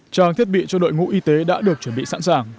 trang thiết bị cho đội ngũ y tế đã được chuẩn bị sẵn sàng